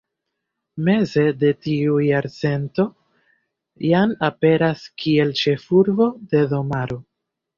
Meze de tiu jarcento, jam aperas kiel ĉefurbo de domaro.